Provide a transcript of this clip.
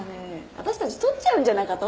あたしたち取っちゃうんじゃなかと？